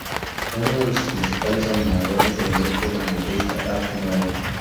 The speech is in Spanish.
Fue uno de los principales animadores del grupo vanguardista "Arte Nuevo".